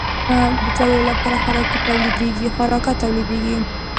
د څارویو لپاره خوراکه تولیدیږي؟